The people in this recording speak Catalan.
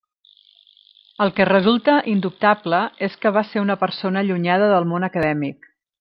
El que resulta indubtable és que va ser una persona allunyada del món acadèmic.